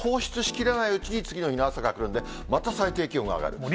これが放出しきれないうちに次の日の朝が来るんで、また最低気温が上がる。